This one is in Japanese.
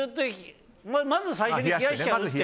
まず最初に冷やしちゃう。